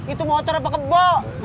itu kotor apa kebo